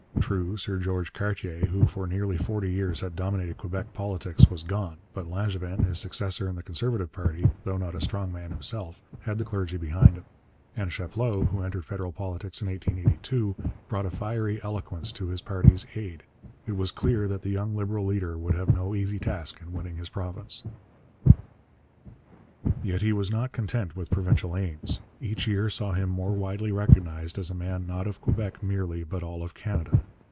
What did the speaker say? True, Sir George Cartier, who for nearly forty years had dominated Quebec politics, was gone, but Langevin, his successor in the Conservative party, though not a strong man himself, had the clergy behind him; and Chapleau, who entered federal politics in 1882, brought a fiery eloquence to his party's aid. It was clear that the young Liberal leader would have no easy task in winning his province. Yet he was not content with provincial aims. Each year saw him more widely recognized as a man not of Quebec merely but of all Canada.